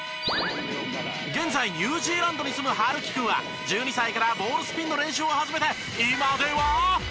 現在ニュージーランドに住む晴樹君は１２歳からボールスピンの練習を始めて今では。